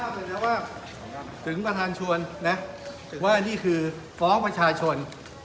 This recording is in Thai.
นี่จัดภาพเลยนะว่าถึงประทานชวนนะถึงว่าอันนี้คือฟ้องประชาชน